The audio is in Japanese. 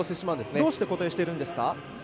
どうして固定しているんですか？